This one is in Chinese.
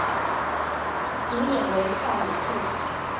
主演为大野智。